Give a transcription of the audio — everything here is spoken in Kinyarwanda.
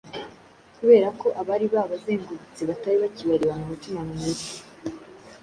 kubera ko abari babazengurutse batari bakibarebana umutima mwiza.